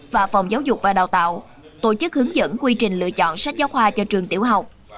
và phòng giáo dục và đào tạo tổ chức hướng dẫn quy trình lựa chọn sách giáo khoa cho trường tiểu học